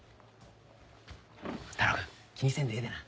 太郎くん気にせんでええでな。